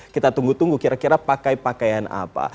kita tunggu tunggu kira kira pakai pakaian apa